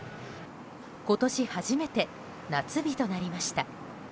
今年初めて夏日となりました。